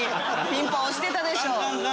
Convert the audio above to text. ピンポン押してたでしょ大将が。